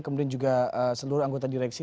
kemudian juga seluruh anggota direksi